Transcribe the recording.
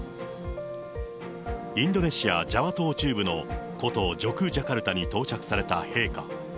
インドネシア・ジャワ島中部の古都・ジョクジャカルタに到着された陛下。